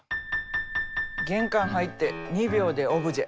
玄関入って２秒でオブジェ。